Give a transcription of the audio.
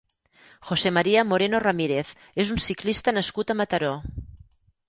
José María Moreno Ramírez és un ciclista nascut a Mataró.